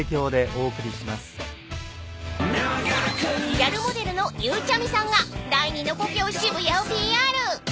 ［ギャルモデルのゆうちゃみさんが第２の故郷渋谷をＰＲ］